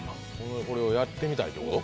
これをやってみたいってこと？